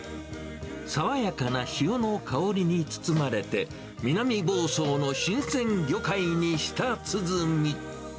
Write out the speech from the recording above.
爽やかな潮の香りに包まれて、南房総の新鮮魚介に舌鼓。